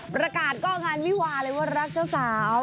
ประกาศก็งานวิวาเลยว่ารักเจ้าสาว